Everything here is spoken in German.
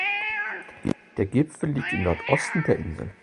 Der Gipfel liegt im Nordosten der Insel.